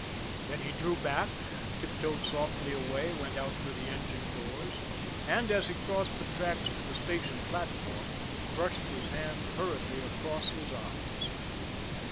Then he drew back, tiptoed softly away, went out through the engine doors, and, as he crossed the tracks to the station platform, brushed his hand hurriedly across his eyes.